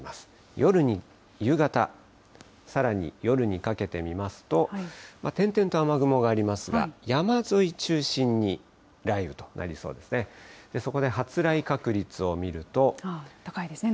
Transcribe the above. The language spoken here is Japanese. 夜に、夕方、さらに夜にかけて見ますと、点々と雨雲がありますが、山沿い中心に雷雨となりそうですね。